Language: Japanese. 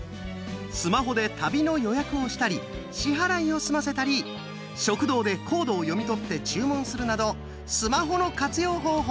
スマホで旅の予約をしたり支払いを済ませたり食堂でコードを読み取って注文するなどスマホの活用方法